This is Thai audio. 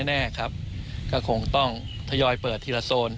เอาออกให้อย่างเท่าสุด